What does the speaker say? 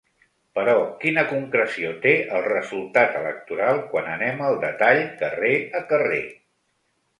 Però quina concreció té el resultat electoral quan anem al detall, carrer a carrer?